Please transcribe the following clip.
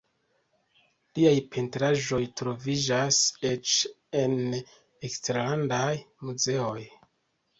Liaj pentraĵoj troviĝas eĉ en eksterlandaj muzeoj.